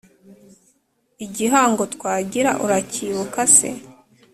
igihango twagira uracyibuka se